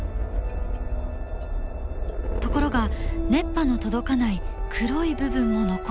ところが熱波の届かない黒い部分も残っている。